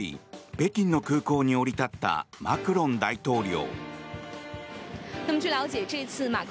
北京の空港に降り立ったマクロン大統領。